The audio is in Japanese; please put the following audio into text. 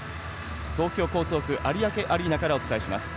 東京・江東区、有明アリーナからお伝えします。